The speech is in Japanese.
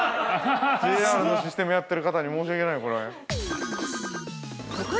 ＪＲのシステムやってる方に申し訳ない、これ。